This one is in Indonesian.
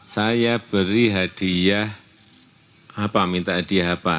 saya beri hadiah apa minta hadiah apa